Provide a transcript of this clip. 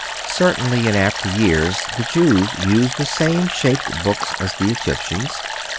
Certainly in after years the Jews used the same shaped books as the Egyptians.